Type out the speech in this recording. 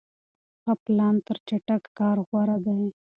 ښه پلان تر چټک کار غوره دی.